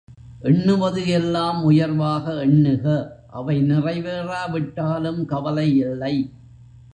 எண்ணுவது எல்லாம் உயர்வாக எண்ணுக அவை நிறைவேறாவிட்டாலும் கவலை இல்லை.